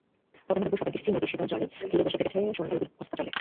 কত-না দুপুর সাঁতার কেটেছি নদীর শীতল জলেনদী তীরে বসে কেটেছে সন্ধ্যা রবির অস্তাচলে।